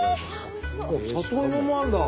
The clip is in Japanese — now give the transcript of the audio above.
里芋もあるんだ！